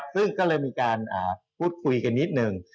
ซึ่งก็เลยมีการพูดคุยกันนิดหนึ่ง